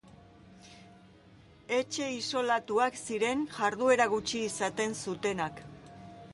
Etxe isolatuak ziren, jarduera gutxi izaten zutenak.